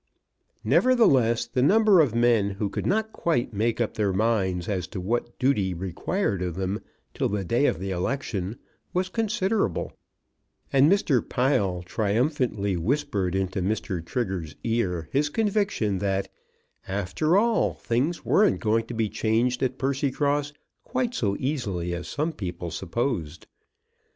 Nevertheless the number of men who could not quite make up their minds as to what duty required of them till the day of the election was considerable, and Mr. Pile triumphantly whispered into Mr. Trigger's ear his conviction that "after all, things weren't going to be changed at Percycross quite so easily as some people supposed."